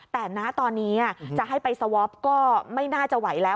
แต่นะตอนนี้จะให้ไปสวอปก็ไม่น่าจะไหวแล้ว